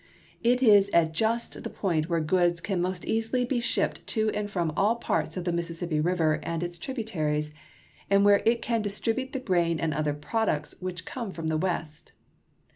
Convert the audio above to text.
It is at just the point where goods can most easily be shipped to and from all parts of the Mississippi River and its tributaries, and where it can distribute the grain and other products which come from the West.